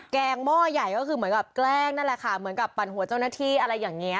แกงหม้อใหญ่ก็คือเหมือนกับแกล้งนั่นแหละค่ะเหมือนกับปั่นหัวเจ้าหน้าที่อะไรอย่างนี้